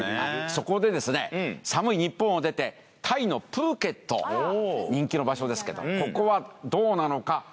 そこでですね寒い日本を出てタイのプーケット人気の場所ですけどここはどうなのか？